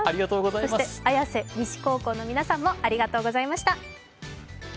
そして綾瀬西高校の皆さんもありがとうございました。